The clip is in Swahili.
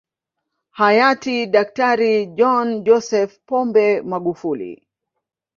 Hayati Daktari John Joseph Pombe Magufuli